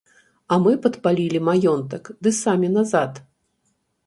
А мы падпалілі маёнтак ды самі назад.